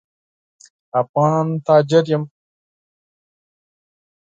افغان تاجر یم.